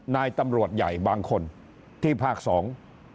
นายตำรวจใหญ่บางคนที่ภาคสอง